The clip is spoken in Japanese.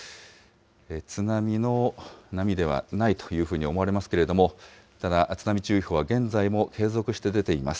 津波の波ではないというふうに思われますけれども、ただ津波注意報は現在も継続して出ています。